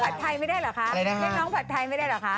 นี่น้องปัจทัยไม่ได้หรอคะ